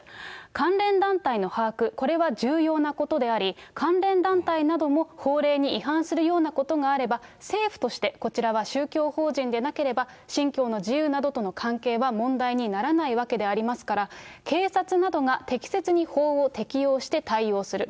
関連団体の把握、これは重要なことであり、関連団体なども法令に違反するようなことがあれば、政府として、こちらは宗教法人でなければ、信教の自由などとの関係は問題にならないわけでありますから、警察などが適切に法を適用して対応する。